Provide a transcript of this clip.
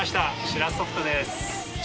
シラスソフトです。